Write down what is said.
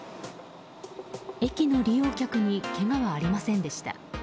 駅の利用客にけがはありませんでした。